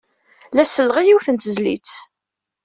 La selleɣ i yiwet n tezlit.